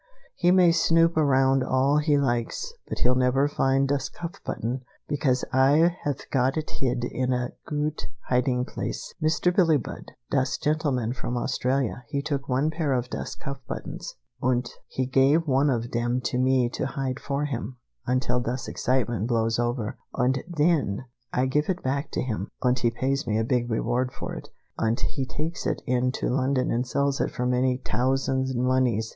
He may snoop around here all he likes, but he'll never find das cuff button, because Ay have got it hid in a goot hiding place! Mr. Billie Budd, das gentleman from Australia, he took one pair of das cuff buttons, und he gave one of dem to me to hide for him, until das excitement blows over, und den I give it back to him, und he pays me a big reward for it, und he takes it in to London and sells it for many tousand moneys.